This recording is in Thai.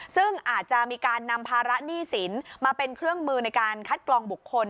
ซึ่งอาจจะมีการนำภาระหนี้สินมาเป็นเครื่องมือในการคัดกรองบุคคล